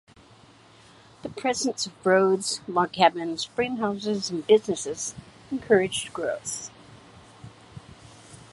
The presence of roads, log cabins, frame houses, and businesses encouraged growth.